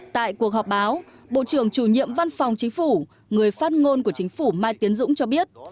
tại cuộc họp báo bộ trưởng chủ nhiệm văn phòng chính phủ người phát ngôn của chính phủ mai tiến dũng cho biết